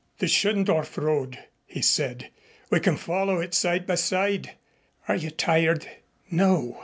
"The Schöndorf road," he said. "We can follow it side by side. Are you tired?" "No."